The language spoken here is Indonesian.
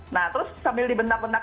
nah terus sambil dibentak bentak